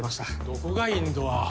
どこがインドア派？